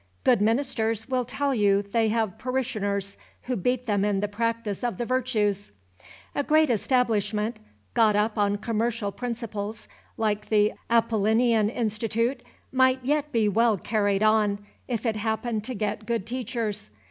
Good ministers will tell you they have parishioners who beat them in the practice of the virtues. A great establishment, got up on commercial principles, like the Apollinean Institute, might yet be well carried on, if it happened to get good teachers.